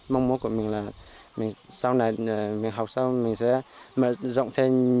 mong mối của mình là sau này mình học xong mình sẽ mở rộng thêm